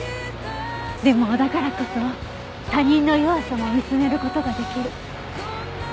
でもだからこそ他人の弱さも見つめる事が出来る。